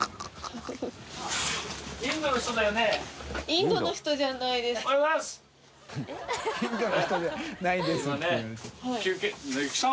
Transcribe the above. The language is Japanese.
インドの人じゃないです」って